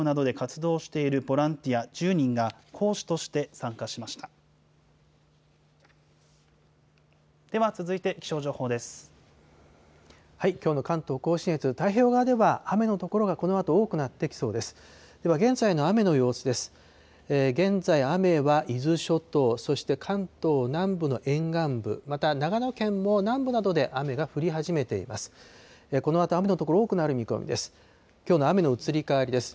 現在、雨は伊豆諸島、そして関東南部の沿岸部、また、長野県も南部などで雨が降り始めています。